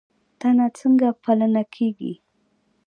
تنه څنګه پلنه کیږي؟